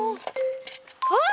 あっ！